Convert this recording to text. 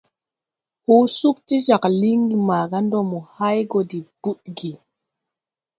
Hɔɔ sug ti jāg lingi maga ndo mo hay gɔ de budgi.